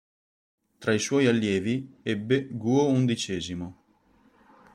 Tra i suoi allievi ebbe Guo Xi.